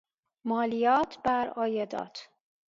مالیات برعایدات